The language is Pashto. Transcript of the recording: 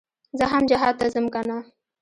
زه هم جهاد ته ځم کنه.